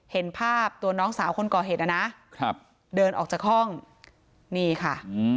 เห็นภาพตัวน้องสาวคนก่อเหตุนะครับเดินออกจากห้องนี่ค่ะ